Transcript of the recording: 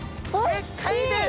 でっかいです！